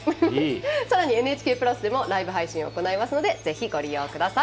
さらに「ＮＨＫプラス」でもライブ配信を行いますのでぜひご利用ください。